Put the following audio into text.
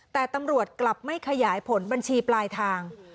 แต่ตำรวจกลับไม่ขยายผลบัญชีปลายทาง